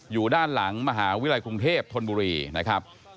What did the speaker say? อยู่ด้านหลังมหาวิทยาลัยกรุงเทพธนบุรีนะครับ